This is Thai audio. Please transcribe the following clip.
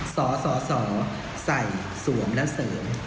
สสใส่สวมและเสริม